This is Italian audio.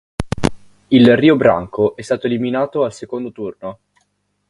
Il Rio Branco è stato eliminato al secondo turno.